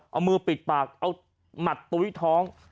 เอามือปิดปากเอาหมัดตุ้ยท้อง